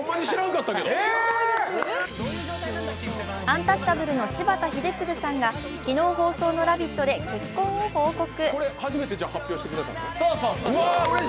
アンタッチャブルの柴田英嗣さんが昨日放送の「ラヴィット！」で結婚を報告。